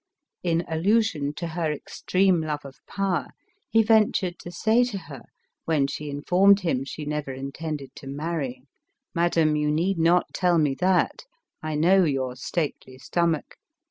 In allusion to her extreme love of power, he ventured to say to her, when she informed him she never intended to marry, " Madam, you need not tell me that ; I know your stately stomach.